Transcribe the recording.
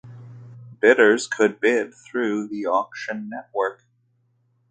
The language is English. Bidders could bid through the Auction Network.